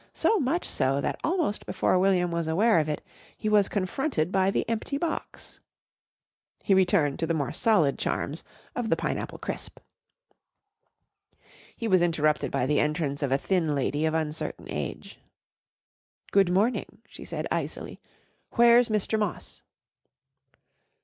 So much so that almost before William was aware of it he was confronted by the empty box. He returned to the more solid charms of the Pineapple Crisp. He was interrupted by the entrance of a thin lady of uncertain age. "Good morning," she said icily. "Where's Mr. Moss?"